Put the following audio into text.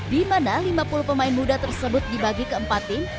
di mana lima puluh pemain muda tersebut dibagi ke empat tim